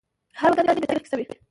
هره ودانۍ د تیر تاریخ کیسه کوي.